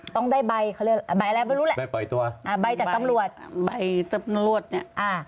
ต้องได้ใบเขาเรียกอะไรใบอะไรไม่รู้แหละใบจัดตำรวจใบจัดตำรวจนี่